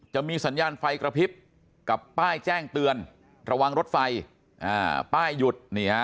จะมีสัญญาณไฟกระพริบกับป้ายแจ้งเตือนระวังรถไฟป้ายหยุด